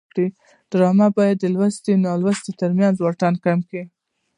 ډرامه باید د لوستو او نالوستو ترمنځ واټن کم کړي